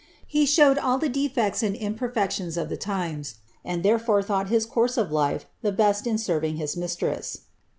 He showed all the defects and imperfec tions of the times, and therefore thought his course of life the best in serving his mistress."